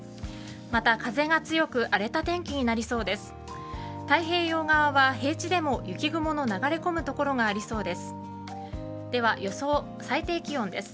また、風が強く荒れた天気になりそうです。